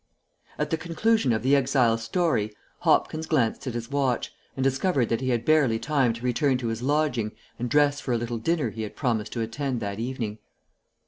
AT the conclusion of the exile's story Hopkins glanced at his watch, and discovered that he had barely time to return to his lodging and dress for a little dinner he had promised to attend that evening.